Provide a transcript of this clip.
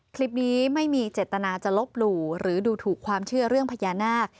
คลิปนี้ไม่มีเจตนาจะลบหลู่หรือดูถูกความเชื่อเรื่องพญานาค